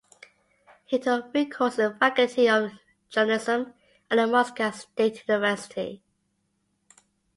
He took three courses Faculty of Journalism at the Moscow State University.